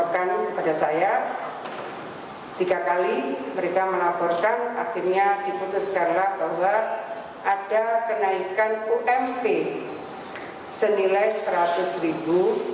tiga kali mereka menaburkan akhirnya diputuskanlah bahwa ada kenaikan ump senilai rp seratus